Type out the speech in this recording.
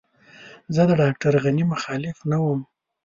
زه د ډاکټر غني مخالف نه وم.